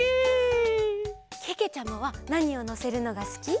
けけちゃまはなにをのせるのがすき？